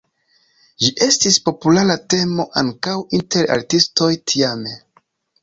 Ĝi estis populara temo ankaŭ inter artistoj tiame.